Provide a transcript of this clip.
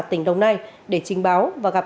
tỉnh đồng nai để trình báo và gặp